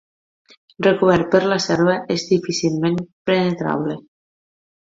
Recobert per la selva, és difícilment penetrable.